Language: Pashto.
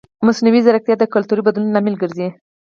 مصنوعي ځیرکتیا د کلتوري بدلون لامل ګرځي.